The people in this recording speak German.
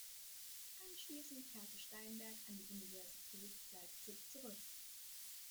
Anschließend kehrte Steinberg an die Universität Leipzig zurück.